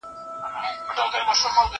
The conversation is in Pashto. زه سندري اورېدلي دي؟